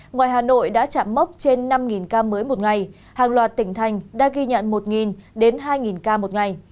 ngoài hà nội đã chạm mốc trên năm ca mới một ngày hàng loạt tỉnh thành đã ghi nhận một đến hai ca một ngày